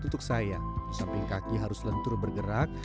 untuk saya di samping kaki harus lentur bergerak